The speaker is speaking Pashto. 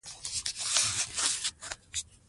پښتو کتابونه ډېر ولولئ.